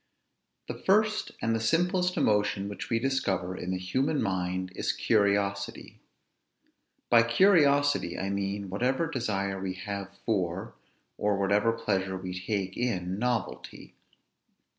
The first and the simplest emotion which we discover in the human mind is curiosity. By curiosity I mean whatever desire we have for, or whatever pleasure we take in, novelty.